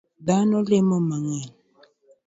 Dhano lemo mang'eny